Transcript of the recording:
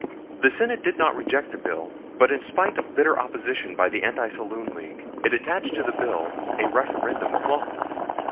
The Senate did not reject the bill; but, in spite of bitter opposition by the Anti Saloon League, it attached to the bill a referendum clause.